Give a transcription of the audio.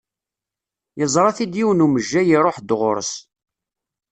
Yeẓra-t-id yiwen umejjay iruḥ-d ɣur-s.